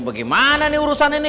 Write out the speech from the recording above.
bagaimana nih urusan ini